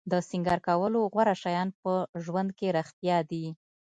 د سینګار کولو غوره شیان په ژوند کې رښتیا دي.